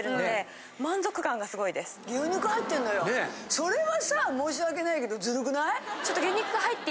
それはさ申し訳ないけどズルくない？